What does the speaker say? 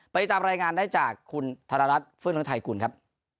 ไปตามรายงานได้จากคุณธรรมรัฐฟื้นธรรมไทยกุลครับ